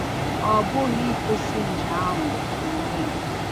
Ọbughi ikwusi nje ahụ n'onwe ya.